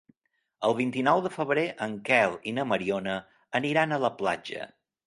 El vint-i-nou de febrer en Quel i na Mariona aniran a la platja.